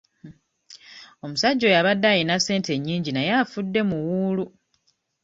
Omusajja oyo abadde ayina ssente nnyingi naye afudde muwuulu.